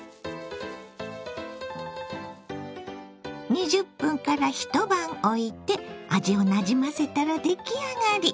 ２０分一晩おいて味をなじませたら出来上がり。